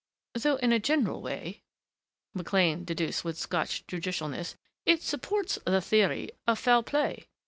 Though in a general way," McLean deduced with Scotch judicialness, "it supports the theory of foul play.